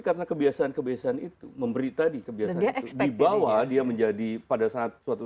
karena kebiasaan kebiasaan itu memberi tadi kebiasaan dibawah dia menjadi pada saat suatu